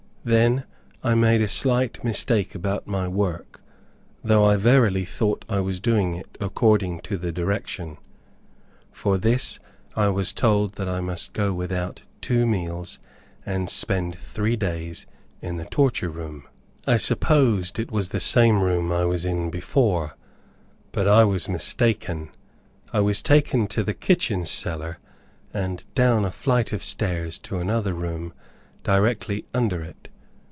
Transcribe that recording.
Then, I made a slight mistake about my work, though I verily thought I was doing it according to the direction. For this, I was told that I must go without two meals, and spend three days in the torture room. I supposed it was the same room I was in before, but I was mistaken. I was taken into the kitchen cellar, and down a flight of stairs to another room directly under it.